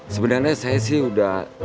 sebenarnya saya sih udah